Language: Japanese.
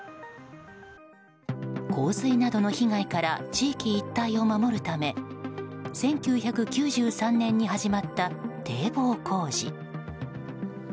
洪水などの被害から地域一帯を守るため１９９３年に始まった堤防工事。